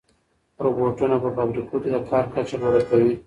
روبوټونه په فابریکو کې د کار کچه لوړه کوي.